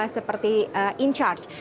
seperti in charge